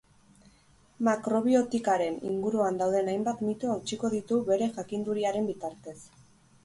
Makrobiotikaren inguruan dauden hainbat mito hautsiko ditu bere jakinduriaren bitartez.